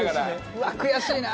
うわっ悔しいな。